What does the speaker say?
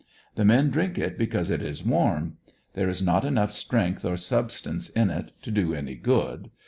The men drink it because it is warm. There in not enough strength or sub stance in it to do any good.